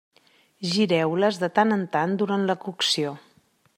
Gireu-les de tant en tant durant la cocció.